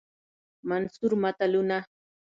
منثور متلونه